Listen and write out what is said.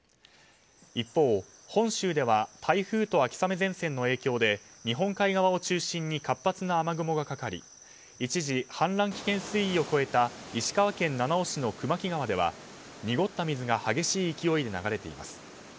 一方、本州では台風と秋雨前線の影響で日本海側を中心に活発な雨雲がかかり一時、氾濫危険水位を超えた石川県七尾市の熊木川では、濁った水が激しい勢いで流れています。